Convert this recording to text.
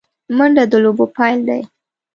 منډه د لوبو پیل دی